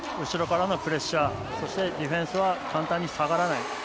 後ろからのプレッシャーそして、ディフェンスは簡単に下がらない。